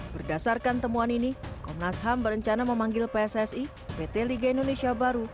berdasarkan temuan ini komnas ham berencana memanggil pssi pt liga indonesia baru